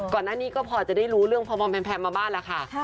ก่อนอันนี้ก็พอจะได้ดูเรื่องพ่อมพมแพมมาบ้านละค่ะใช่